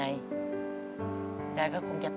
แต่ที่แม่ก็รักลูกมากทั้งสองคน